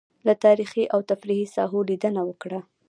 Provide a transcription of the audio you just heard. له تاريخي او تفريحي ساحو لېدنه وکړه.